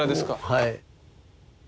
はい。